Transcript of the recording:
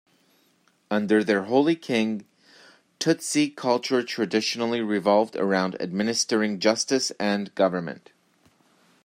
Under their holy king, Tutsi culture traditionally revolved around administering justice and government.